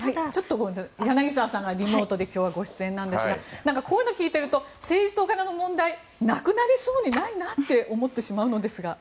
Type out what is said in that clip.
柳澤さんがリモートで今日はご出演なんですがこういうのを聞いていると政治とお金の問題なくなりそうにないなって思ってしまうのですが。